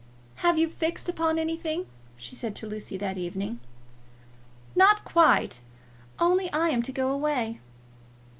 "Have you fixed upon anything?" she said to Lucy that evening. "Not quite; only I am to go away."